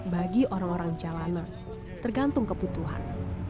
bagi orang orang jalanan tergantung kebutuhan